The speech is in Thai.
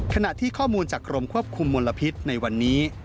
ขณะที่ข้อมูลจากกรมควบคุมมลพิษในวันนี้